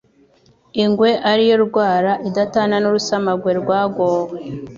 ingwe ari yo rwara idatana n'urusamagwe rwagowe